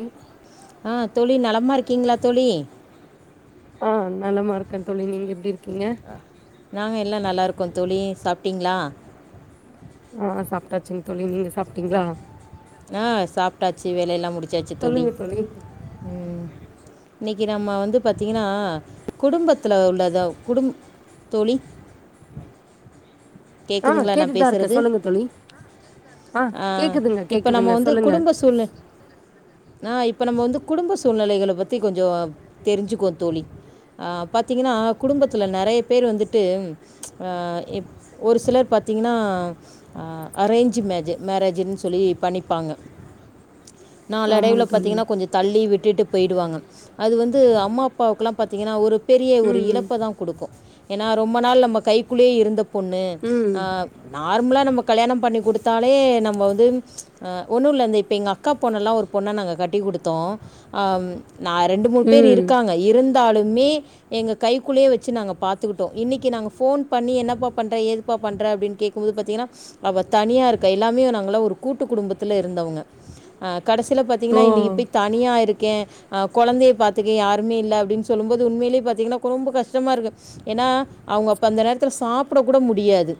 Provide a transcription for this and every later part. ம் ஆ தோழி நலமா இருக்கீங்ளா தோழி ஆ நல்லமா இருக்க தோழி நீங்க எப்டி இருக்கீங்க அ நாங்க எல்லா நல்லாருக்கோ தோழி சாப்ட்டீங்ளா அ அ சாப்ட்டாச்சிங் தோழி நீங்க சாப்ட்டீங்ளா அ சாப்ட்டாச்சு வேலையெல்லா முடிச்சாச்சு தோழி ம் இன்னிக்கி நம்ம வந்து பாத்திங்கனா குடும்பத்துல் உள்ளத குடும்பு தோழி ஆ கேக்குதுங்ளா நா கேட்டுட்டுதா இருக்கே பேசுறது சொல்லுங்க தோழி ஆ அ கேக்குதுங்க இப்ப நம்ம கேக்குதுங்க வந்து சொல்லுங்க குடும்ப சூழ ந இப்ப நம்ம வந்து குடும்ப சூழ்நிலைகள பத்தி கொஞ்சோ தெரிஞ்சுக்குவோ தோழி அ பாத்தீங்கனா குடும்பத்துல நறைய பேர் வந்துட்டு அ இப் ஒரு சிலர் பாத்தீங்னா அ அரேஞ்சு மேஜ மேரேஜின் சொல்லி பண்ணிப்பாங்க நாலு ஆமாங்க அடைவுல தோழி பாத்தீங்கனா கொஞ்ச தள்ளி விட்டுட்டு பெய்டுவாங்க அது வந்து அம்மா பாவுக்குல்லா பாத்தீங்கனா ஒரு பெரிய ஒரு ம் இழப்ப தா குடுக்கு ஏனா ரொம்ப நாள் நம்ப கைக்குள்யே இருந்தப் பொண்ணு ம் அ நார்ம்லா நம்ம கல்யாண பண்ணி குடுத்தாலே நம்ப வந்து அ ஒன்னு இல்ல இந்த இப்ப எங்க அக்கா பொண்ணல்லா ஒரு பொண்ண நாங்க கட்டி குடுத்தோ அ நா ரெண்டு மூணு பேர் ம் இருக்காங்க இருந்தாலுமே எங்க கைக்குள்ளயே வெச்சி நாங்க பாத்துக்குட்டோ இன்னக்கி நாங்க ஃபோன் பண்ணி என்னப்பா பண்ற ஏதுப்ப பண்ற அப்டின் கேக்கும்போது பத்தீங்கனா அவ தனியா இருக்கா எல்லாமே நாங்களா ஒரு கூட்டு குடும்பத்துல இருந்தவுங்க அ கடசில பத் திங்கனா ஓ இன்னிக்கி பெய் தனியா இருக்கே அ கொழந்தய பாத்துக்க யாருமே இல்ல அப்டின் சொல்லும்போது உண்மைலே பாத்தீங்ன்னா குரொம்ப கஷ்ட்டமா இருக்கு ஏன்னா அவுங்க அப்ப அந்த நேர்த்துல சாப்புட கூட முடியாது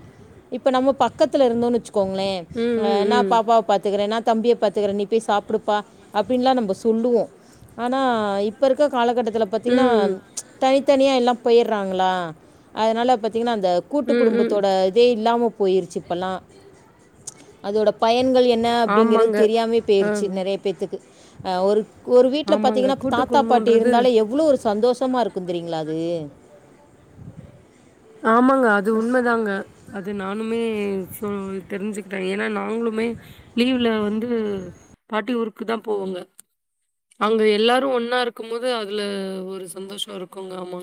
இப்ப நம்ம பக் கத்துல இருந்தோன் வச்சுக்கோங்ளே ம் அ ம் நா ம் பாப்பாவ பாத்துக்குற நா தம்பிய பாத்துக்குற நீ போய் சாப்புடுப்பா அப்டின்லா நம்ம சொல்லுவோ ஆனா இப்ப இருக்க காலகட்டத்துல பாத்தீங்ன்னா ம் தனித்தனியா எல்லா பொயற்றாங்ளா அதனால பாத்தீங்ன்னா அந்த கூட்டு ம் ம் குடும்பத்தோட தே இல்லாமல் போயிருச்சு இப்பல்லா அதோடய பயன்கள் என்ன அப்டிங்கிறது ஆமாங்க தெரியாமே போயிர்ச்சி ஆம் நெறய பேத்துக்கு ஒரு ஒரு வீட்ல ஆமாங்க பாத்தீங்னா கூட்டு தாத்தா பாட்டி குடும்போன்றது இருந்தாலே எவ்ளோ ஒரு சந்தோஷமா இருக்கு தெரியீங்ளா அது ஆமாங்க அது உண்மதாங்க அது நானுமே சொ தெரிஞ்சுக்ட்ட ஏனா நாங்ளுமே லீவ்ல வந்து பாட்டி ஊருக்கு தா போவோங்க அங்க எல்லாரு ஒன்னா இருக்கும்மோது அதுல ஒரு சந்தோஷோ இருக்குங்க ஆமா